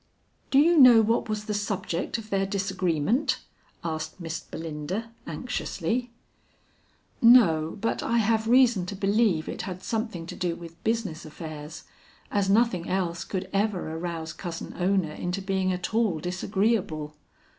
"Do you know what was the subject of their disagreement?" asked Miss Belinda anxiously. "No, but I have reason to believe it had something to do with business affairs, as nothing else could ever arouse Cousin Ona into being at all disagreeable."